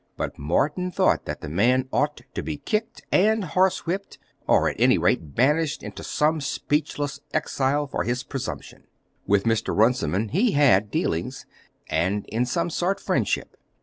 But Morton thought that the man ought to be kicked and horsewhipped, or, at any rate, banished into some speechless exile for his presumption. With Mr. Runciman he had dealings, and in some sort friendship.